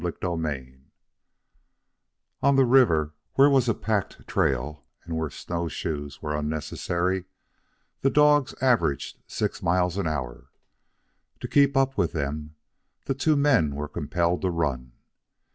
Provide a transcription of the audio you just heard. CHAPTER IV On the river, where was a packed trail and where snowshoes were unnecessary, the dogs averaged six miles an hour. To keep up with them, the two men were compelled to run.